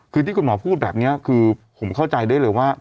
คือที่คุณหมอพูดแบบนี้คือผมเข้าใจได้เลยว่า